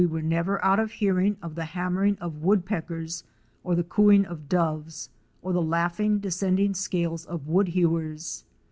were never out of hearing of the hammering of Woodpeckers, or the cooing of Doves or the laughing, descending scales of Woodhewers.